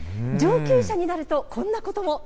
上級者になると、こんなことも。